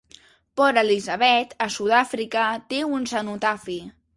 Port Elizabeth, a Sudàfrica, té un cenotafi.